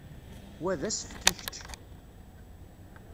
Wa d asefk i kečč.